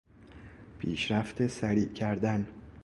پیشرفت سریع کردن